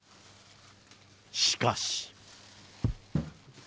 しかし。